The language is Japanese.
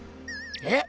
えっ？